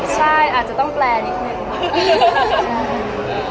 ใช่อาจจะต้องแปลนอีกหนึ่ง